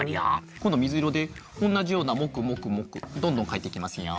こんどみずいろでおんなじようなモクモクモクどんどんかいていきますよ。